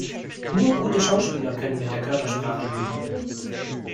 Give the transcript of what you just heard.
Nur gute Schauspieler können mit der Körpersprache lügen.